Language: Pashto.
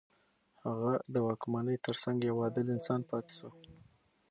هغه د واکمنۍ تر څنګ يو عادل انسان پاتې شو.